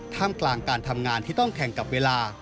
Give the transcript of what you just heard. กลางการทำงานที่ต้องแข่งกับเวลา